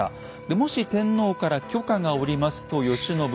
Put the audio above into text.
もし天皇から許可が下りますと慶喜は天皇朝廷の敵